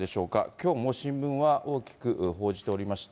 きょうも新聞は大きく報じておりまして。